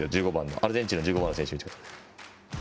アルゼンチンの１５番の選手。